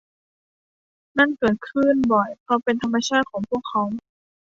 นั่นเกิดขึ้นบ่อยเพราะเป็นธรรมชาติของพวกเขา